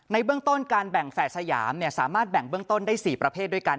เบื้องต้นการแบ่งแฝดสยามสามารถแบ่งเบื้องต้นได้๔ประเภทด้วยกัน